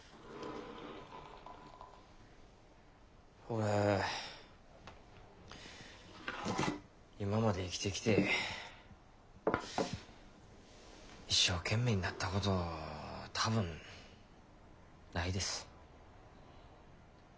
俺今まで生きてきて一生懸命になったこと多分ないです。